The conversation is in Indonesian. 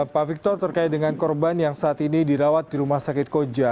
pak victor terkait dengan korban yang saat ini dirawat di rumah sakit koja